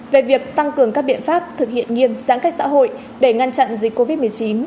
về việc tăng cường các biện pháp thực hiện nghiêm giãn cách xã hội để ngăn chặn dịch covid một mươi chín